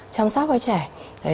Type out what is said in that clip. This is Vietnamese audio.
chăm sóc cho trẻ